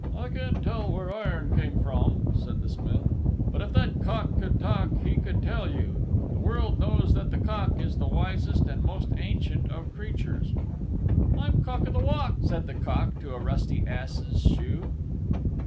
"I can't tell where iron came from," said the Smith, "but if that Cock could talk he could tell you. The world knows that the Cock is the wisest and the most ancient of creatures." "I'm Cock o' the Walk," said the Cock to a rusty ass's shoe.